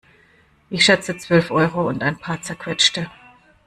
Ich schätze zwölf Euro und ein paar Zerquetschte.